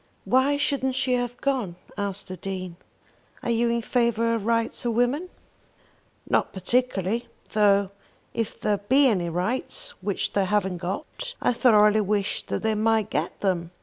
"Why shouldn't she have gone?" asked the Dean. "Are you in favour of rights of women?" "Not particularly; though if there be any rights which they haven't got, I thoroughly wish that they might get them.